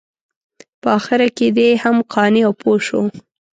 په اخره کې دی هم قانع او پوه شو.